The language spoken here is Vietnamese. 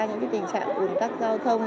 những tình trạng bùn tắc giao thông